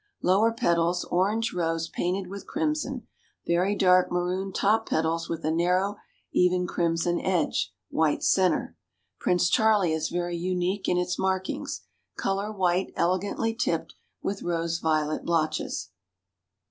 Lower petals orange rose painted with crimson, very dark maroon top petals with a narrow, even crimson edge, white center. Prince Charlie is very unique in its markings. Color white elegantly tipped, with rose violet blotches.